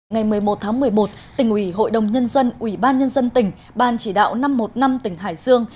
ngày một mươi một tháng một mươi một tỉnh ủy hội đồng nhân dân ủy ban nhân dân tỉnh ban chỉ đạo năm trăm một mươi năm tỉnh hải dương